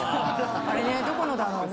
あれねどこのだろうね？